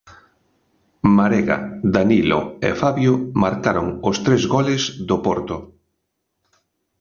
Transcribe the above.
Marega, Danilo e Fabio marcaron os tres goles do Porto.